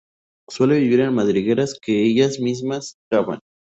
Suele vivir en madrigueras que ellas mismas cavan.